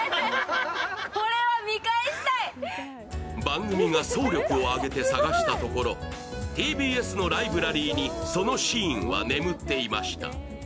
番組が総力を挙げて探したところ、ＴＢＳのライブラリーにそのシーンは眠っていました。